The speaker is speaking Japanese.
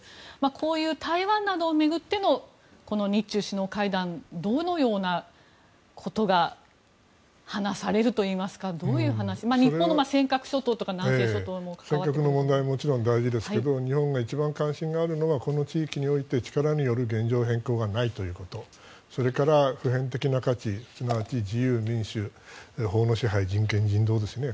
こういう台湾などを巡っての日中首脳会談どのようなことが話されるといいますかどういう話、日本の尖閣諸島とか戦局の問題ももちろん大事ですが日本が一番関心があるのはこの地域において力による現状変更がないということそれから普遍的な価値すなわち自由、民主、法の支配人権、人道ですね。